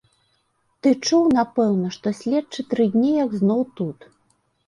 Ты чуў, напэўна, што следчы тры дні як зноў тут.